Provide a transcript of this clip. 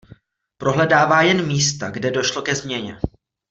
Prohledává jen místa, kde došlo ke změně.